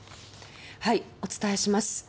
お伝えします。